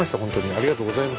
ありがとうございます。